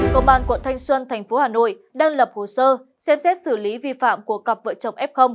công an quận thanh xuân tp hà nội đang lập hồ sơ xem xét xử lý vi phạm của cặp vợ chồng f